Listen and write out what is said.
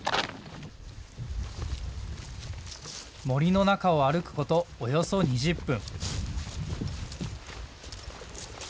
森の中を歩くことおよそ２０分。